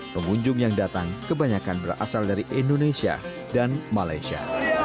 pengunjung yang datang kebanyakan berasal dari indonesia dan malaysia